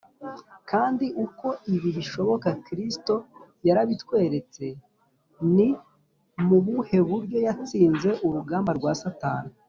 Kandi uko ibi bishoboka, Kristo yarabitweretse. Ni mu buhe buryo yatsinze urugamba rwa Satani?